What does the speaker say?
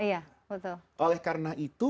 iya oleh karena itu